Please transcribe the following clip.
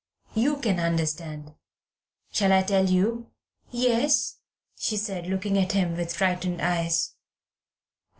You can understand. Shall I tell you?" "Yes," she said, looking at him with frightened eyes.